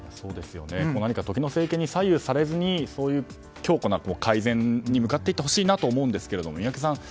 何か、時の政権に左右されずに強固な改善に向かっていってほしいなと思いますけども。